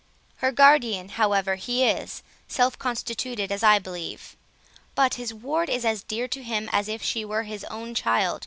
Her guardian, however, he is, self constituted as I believe; but his ward is as dear to him as if she were his own child.